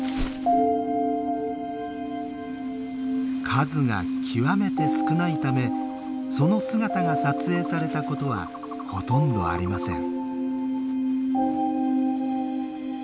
数が極めて少ないためその姿が撮影されたことはほとんどありません。